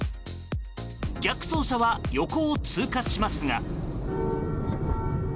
逆走車は横を通過しますが。